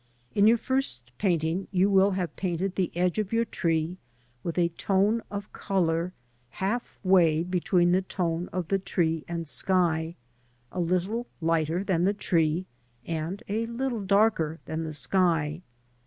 In your first painting you will have painted the edge of your tree with a tone of colour half way between the tone of the tree and sky, a little lighter than the tree and a little darker than the sky.